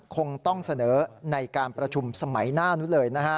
คงต้องเสนอในการประชุมสมัยหน้านู้นเลยนะฮะ